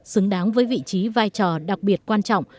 xứng đáng với vị trí vai trò đặc biệt quan trọng